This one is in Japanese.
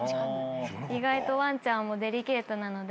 意外とワンちゃんもデリケートなので。